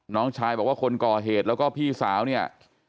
น้องชายบอกว่าคนก่อเหตุแล้วก็พี่สาวเนี่ย